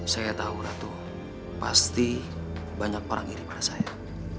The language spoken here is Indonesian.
saya tahu ratu pasti banyak orang ngiri pada saya